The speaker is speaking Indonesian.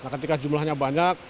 ketika jumlahnya banyak